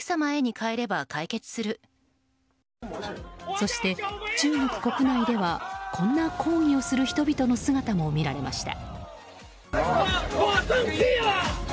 そして、中国国内ではこんな抗議をする人々の姿も見られました。